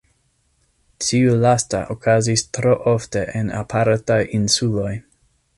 Tiu lasta okazis tro ofte en apartaj insuloj.